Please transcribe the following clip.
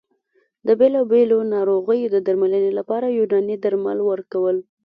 د بېلابېلو ناروغیو د درملنې لپاره یوناني درمل ورکول